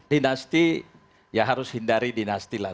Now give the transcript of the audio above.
dinasti ya harus hindari dinasti lah